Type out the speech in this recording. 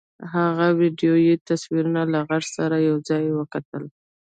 هغه ويډيويي تصويرونه له غږ سره يو ځای وکتل.